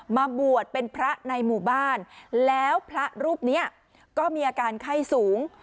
มาบวชเป็นพระในหมู่บ้านแล้วพระรูปนี้ก็มีอาการไข้สูง